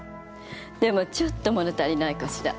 でもちょっともの足りないかしら。